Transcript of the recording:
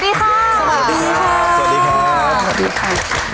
สวัสดีค่ะสวัสดีค่ะสวัสดีค่ะสวัสดีค่ะ